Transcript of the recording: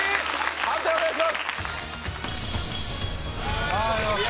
判定お願いします！